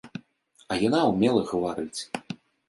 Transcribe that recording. А яна ўмела гаварыць.